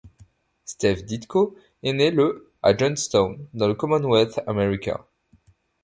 Steve Ditko est né le à Johnstown, dans le Commonwealth américain.